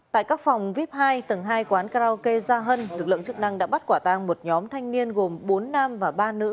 tại các phòng vip hai tầng hai quán karaoke gia hân lực lượng chức năng đã bắt quả tang một nhóm thanh niên gồm bốn nam và ba nữ